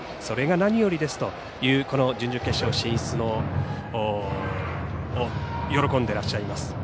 それが何よりですというこの準々決勝進出を喜んでらっしゃいます。